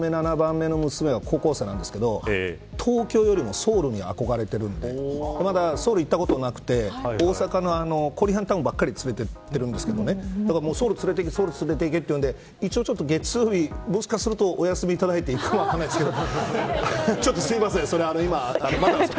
特に６番、７番目の娘が高校生なんですけど東京よりもソウルに憧れてるんでまだソウルに行ったことなくて大阪のコリアンタウンばかり連れて行ってるんですけどソウルに連れて行けと言うんで一応、月曜日もしかするとお休みをいただいていくかも分からないですけど。